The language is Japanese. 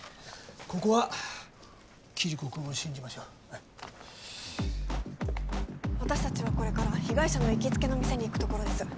ここはキリコ君を信じましょう私達はこれから被害者の行きつけの店に行くところです